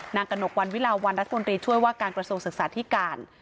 กระหนกวันวิลาวันรัฐมนตรีช่วยว่าการกระทรวงศึกษาธิการ